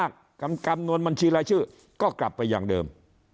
จำนวนบัญชีรายชื่อก็กลับไปอย่างเดิม